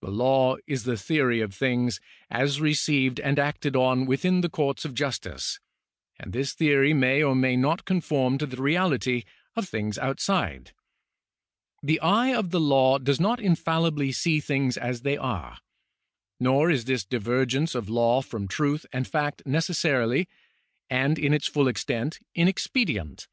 The law is the theory of things, as received and acted on within the courts of justice, and this theory may or may not conform to the reality of things outside. The eye of the law does not infallibly see things as they are. Nor is this divergence of law from truth and fact necessarily, and in its full extent, inexpedient.